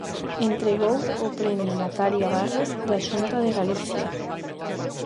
Entregou o premio Natalia Barros, da Xunta de Galicia.